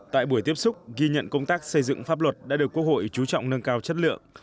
tại buổi tiếp xúc ghi nhận công tác xây dựng pháp luật đã được quốc hội chú trọng nâng cao chất lượng